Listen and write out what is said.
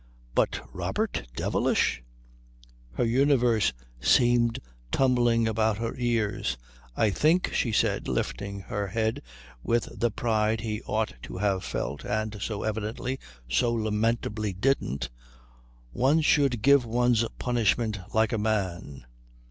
But Robert devilish? Her universe seemed tumbling about her ears. "I think," she said, lifting her head with the pride he ought to have felt and so evidently, so lamentably, didn't, "one should give one's punishment like a man."